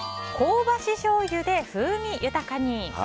香ばししょうゆで風味豊かに！